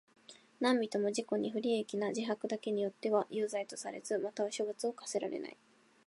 何人（なんびと）も自己に不利益な自白だけによっては有罪とされず、または刑罰を科せられない。